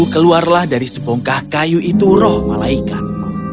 keluarlah dari sebongkah kayu itu roh malaikat